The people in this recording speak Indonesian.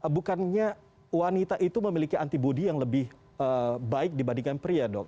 bukannya wanita itu memiliki antibody yang lebih baik dibandingkan pria dok